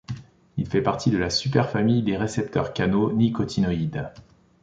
Il fait partie de la super-famille des récepteurs-canaux nicotinoïdes.